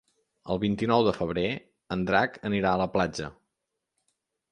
El vint-i-nou de febrer en Drac anirà a la platja.